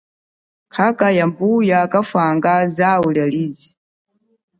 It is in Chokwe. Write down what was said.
Khakha, wa mbuya kafanga zau lialize.